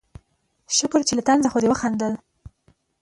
شکر چې له طنزه خو دې وخندل